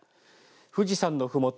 富士山のふもと